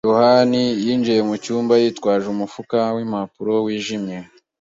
yohani yinjiye mucyumba yitwaje umufuka wimpapuro wijimye.